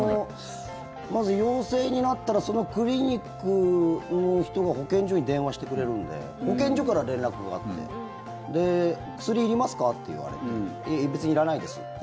まず陽性になったらそのクリニックの人が保健所に電話してくれるので保健所から連絡があって薬いりますか？